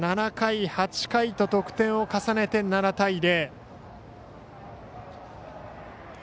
７回、８回と得点を重ねて、７対０。